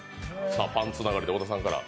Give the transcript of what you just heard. パンつながりで、小田さんから。